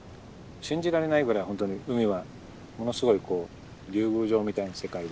信じられないぐらいホントに海はものすごい竜宮城みたいな世界で。